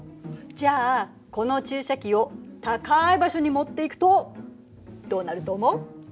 じゃあこの注射器を高い場所に持っていくとどうなると思う？